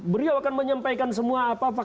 beliau akan menyampaikan semua apa apa